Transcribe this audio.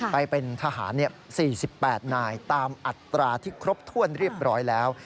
ไปเป็นทหาร๔๘นายตามอัตราที่ครบถ้วนเรียบร้อยแล้ว